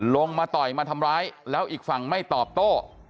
มาต่อยมาทำร้ายแล้วอีกฝั่งไม่ตอบโต้